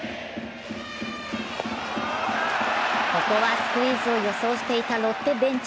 ここはスクイズを予想していたロッテベンチ。